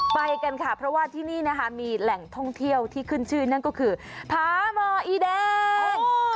ไปกันค่ะเพราะว่าที่นี่นะคะมีแหล่งท่องเที่ยวที่ขึ้นชื่อนั่นก็คือพาหมออีแดง